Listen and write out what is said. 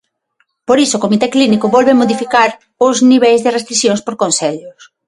Por iso o comité clínico volve a modificar os niveis de restricións por concellos.